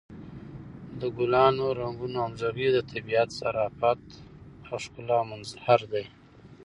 د ګلانو د رنګونو همغږي د طبیعت د ظرافت او ښکلا مظهر دی.